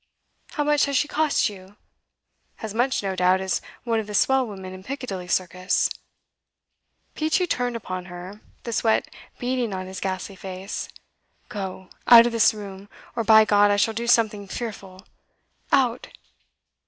How much has she cost you? As much, no doubt, as one of the swell women in Piccadilly Circus ' Peachey turned upon her, the sweat beading on his ghastly face. 'Go! Out of this room or by God I shall do something fearful! Out!